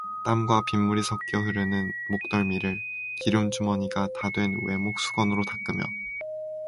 땀과 빗물이 섞여 흐르는 목덜미를 기름주머니가 다된 왜목 수건으로 닦으며